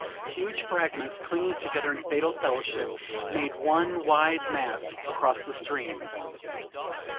Huge fragments, clinging together in fatal fellowship, made one wide mass across the stream.